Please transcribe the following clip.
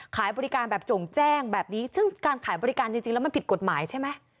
ขายบริการแบบโจ่งแจ้งแบบนี้ซึ่งการขายบริการจริงแล้วมันผิดกฎหมายใช่ไหม